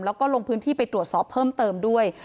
แล้วก็ลงพื้นที่ไปตรวจสอบเพิ่มเติมด้วย